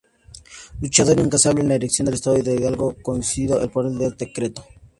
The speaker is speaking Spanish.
Luchador incansable en la erección del Estado de Hidalgo, concedida al fin por decreto.